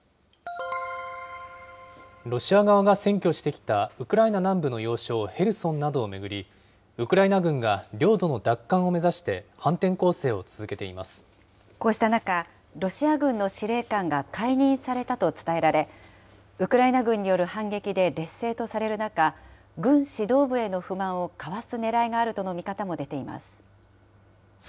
ロシア側が占拠してきたウクライナ南部の要衝ヘルソンなどを巡り、ウクライナ軍が領土の奪還を目指して、反転攻勢を続けていこうした中、ロシア軍の司令官が解任されたと伝えられ、ウクライナ軍による反撃で劣勢とされる中、軍指導部への不満をかわすねらいがあるとの見方も出ています。